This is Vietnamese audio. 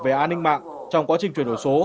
về an ninh mạng trong quá trình chuyển đổi số